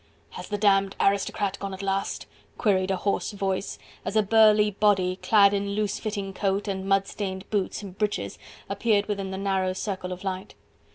"Has the damned aristocrat gone at last?" queried a hoarse voice, as a burly body clad in loose fitting coat and mud stained boots and breeches appeared within the narrow circle of light.